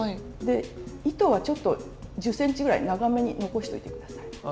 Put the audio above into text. で糸はちょっと１０ｃｍぐらい長めに残しておいて下さい。